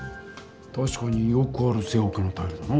たしかによくある正方形のタイルだな。